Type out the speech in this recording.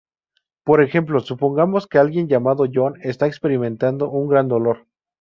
Por ejemplo, supongamos que alguien llamado John está experimentando un gran dolor.